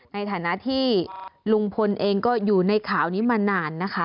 ในฐานะที่ลุงพลเองก็อยู่ในข่าวนี้มานานนะคะ